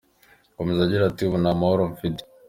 Akomeza agira ati “Ubu nta mahoro mfite.